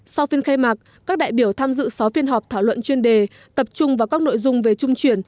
sau phiên khai mạc các đại biểu tham dự sáu phiên họp thảo luận chuyên đề tập trung vào các nội dung về trung chuyển